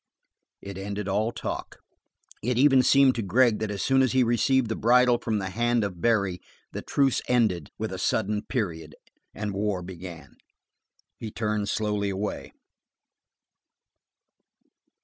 It ended all talk; it even seemed to Gregg that as soon as he received the bridle from the hand of Barry the truce ended with a sudden period and war began. He turned slowly away.